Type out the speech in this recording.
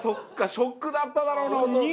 ショックだっただろうなお父さん。